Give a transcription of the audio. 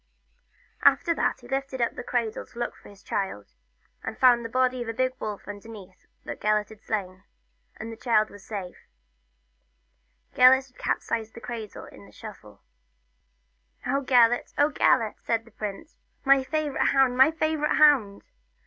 After that he lifted up the cradle to look for his child, and found the body of a big wolf underneath that Gelert had slain, and his child was safe. Gelert had capsized the cradle in the scuffle. " Oh, Gelert ! Oh, Gelert !" said the prince, " my The Story of Gelert. 2 1 favourite hound, my favourite hound